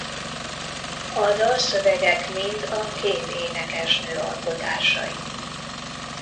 A dalszövegek mind a két énekesnő alkotásai.